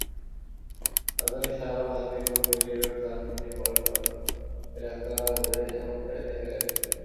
রাজধানীর Shahbag, Hatirpul, Bailey road, Dhanmondi, Paltan এলাকা ঘুরে এমনটাই দেখা গেছে।